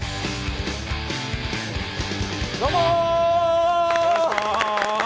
どうも！